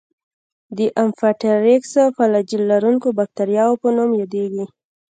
د امفيټرایکس فلاجیل لرونکو باکتریاوو په نوم یادیږي.